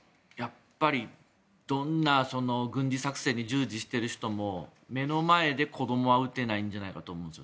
どんな軍事作戦に従事している人も目の前で子どもは撃てないんじゃないかと思うんですよ。